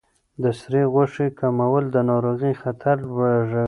د سرې غوښې کمول د ناروغۍ خطر لږوي.